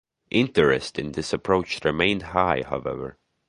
Interest in this approach remained high, however.